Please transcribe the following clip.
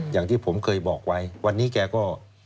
อย่างที่ผมเคยบอกไว้วันนี้แกก็